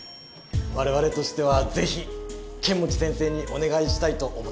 われわれとしてはぜひ剣持先生にお願いしたいと思っています。